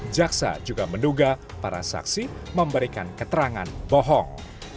jaksa juga menduga para saksi memberikan keterangan bohong